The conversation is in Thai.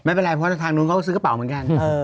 ไม่เป็นไรเพราะทางนู้นเขาก็ซื้อกระเป๋าเหมือนกัน